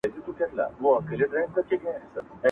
مه یې را کوه د هضمېدلو توان یې نلرم,